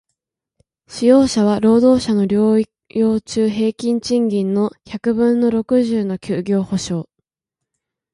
使用者は、労働者の療養中平均賃金の百分の六十の休業補償